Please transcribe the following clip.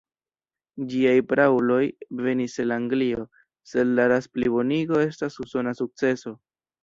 Ĝiaj prauloj venis el Anglio, sed la ras-plibonigo estas usona sukceso.